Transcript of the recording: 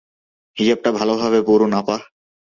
হিজাবটা ভালোভাবে পড়ুন, আপা।